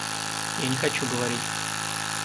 Я не хочу говорить.